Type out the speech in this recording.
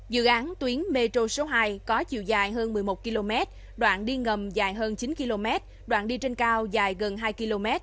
dự án tuyến metro số hai có chiều dài hơn một mươi một km đoạn đi ngầm dài hơn chín km đoạn đi trên cao dài gần hai km